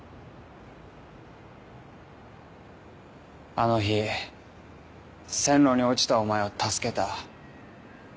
あの日線路に落ちたお前を助けた。